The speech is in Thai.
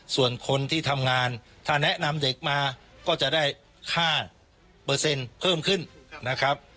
ส่วนคนที่ทำงานถ้าแนะนำเด็กมาก็จะได้ค่าเปอร์เซ็นต์เพิ่มขึ้นนะครับ